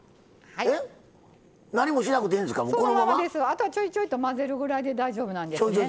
あとはちょいちょいと混ぜるぐらいで大丈夫なんですね。